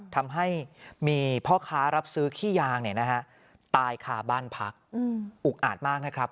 ทำให้มีเพาะคร้ารับซื้อขี้ยางเนี่ยนะฮะตายขาบ้านพักอุกอาดมากน่ะครับ